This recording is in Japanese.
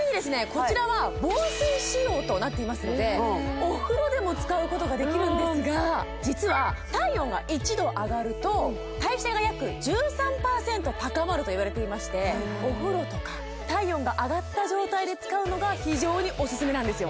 こちらは防水仕様となっていますのでお風呂でも使うことができるんですが実は体温が１℃上がると代謝が約１３％高まるといわれていましてお風呂とか体温が上がった状態で使うのが非常にオススメなんですよ